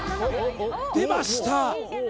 出ました！